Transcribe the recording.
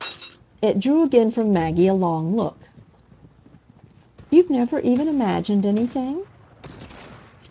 It drew again from Maggie a long look. "You've never even imagined anything?"